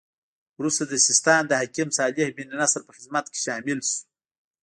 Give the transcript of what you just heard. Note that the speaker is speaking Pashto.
وروسته د سیستان د حاکم صالح بن نصر په خدمت کې شامل شو.